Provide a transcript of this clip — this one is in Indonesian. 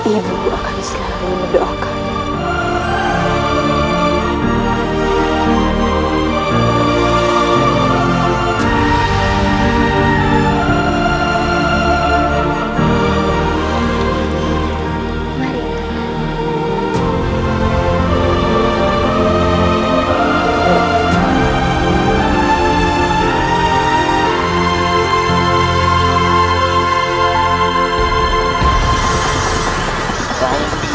ibu akan selalu mendoakan